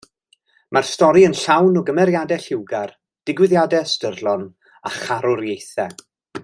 Mae'r stori yn llawn o gymeriadau lliwgar, digwyddiadau ystyrlon, a charwriaethau.